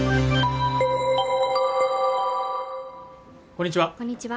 こんにちは